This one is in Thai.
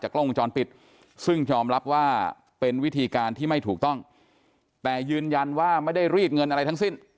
กล้องวงจรปิดซึ่งยอมรับว่าเป็นวิธีการที่ไม่ถูกต้องแต่ยืนยันว่าไม่ได้รีดเงินอะไรทั้งสิ้น